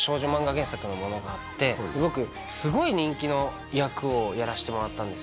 原作のものがあって僕すごい人気の役をやらしてもらったんです